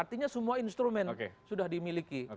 artinya semua instrumen sudah dimiliki